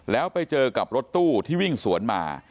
แล้วไปเจอกับรถตู้ที่วิ่งสวนมา